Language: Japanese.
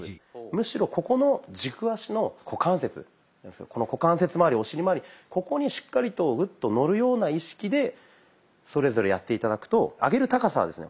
むしろここの軸足の股関節この股関節まわりお尻まわりここにしっかりとウッとのるような意識でそれぞれやって頂くと上げる高さはですね